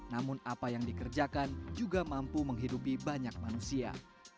namun apa yang dikerjakan juga mampu menghidupi banyak manusia